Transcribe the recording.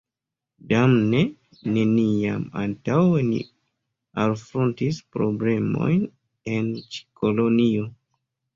Damne, neniam antaŭe ni alfrontis problemojn en ĉi kolonio.